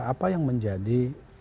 apa yang menjadi